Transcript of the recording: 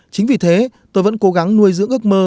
chính vì thế tôi vẫn cố gắng nuôi dưỡng ước mơ